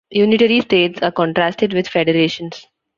Unitary states are contrasted with federations.